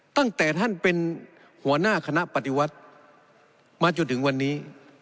ตั้งแต่ท่านเป็นหัวหน้าคณะปฏิวัติมาจนถึงวันนี้